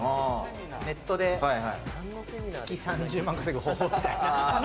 ネットで月３０万稼ぐ方法みたいな。